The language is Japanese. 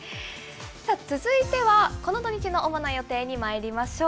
続いては、この土日の主な予定にまいりましょう。